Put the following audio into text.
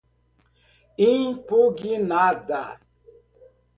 impugnada